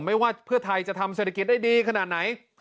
ไม่ว่าเพื่อไทยจะทำเศรษฐกิจได้ดีขนาดไหน